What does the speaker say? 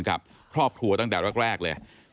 กับครอบครัวตั้งแต่แรกเลย